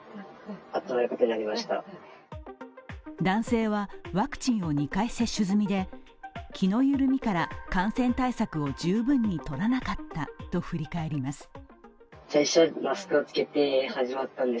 男性はワクチンを２回接種済みで気の緩みから感染対策を十分にとらなかったと振り返ります。